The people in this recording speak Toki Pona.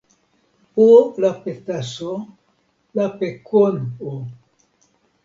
o lape taso, lape kon o.